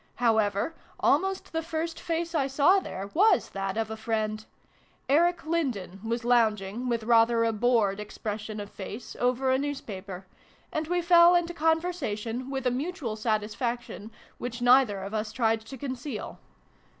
However, almost the first face I saw there was that of a friend. Eric Lindon was loung ing, with rather a 'bored' expression of face, over a newspaper ; and we fell into conversa tion with a mutual satisfaction which neither of us tried to conceal.